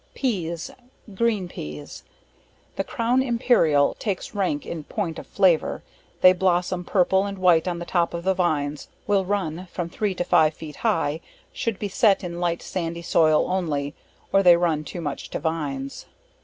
Peas Green Peas. The Crown Imperial, takes rank in point of flavor, they blossom, purple and white on the top of the vines, will run, from three to five feet high, should be set in light sandy soil only, or they run too much to vines.